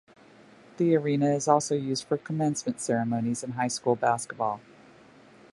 The arena is also used for commencement ceremonies and high school basketball.